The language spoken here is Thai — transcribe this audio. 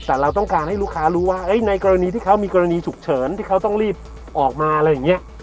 แต่เราต้องการให้ลูกค้ารู้ว่าในกรณีที่เขามีกรณีฉุกเฉินที่เขาต้องรีบออกมาอะไรอย่างนี้